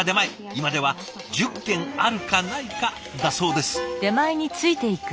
今では１０件あるかないかだそうです。